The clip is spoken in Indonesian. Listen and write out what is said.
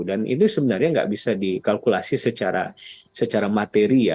dan itu sebenarnya nggak bisa dikalkulasi secara materi